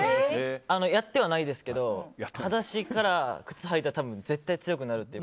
やってはないですけど裸足から靴履いいたら絶対強くなるって。